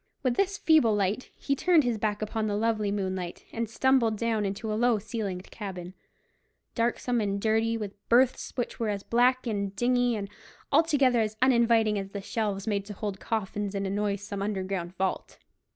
With this feeble light he turned his back upon the lovely moonlight, and stumbled down into a low ceilinged cabin, darksome and dirty, with berths which were as black and dingy, and altogether as uninviting as the shelves made to hold coffins in a noisome underground vault.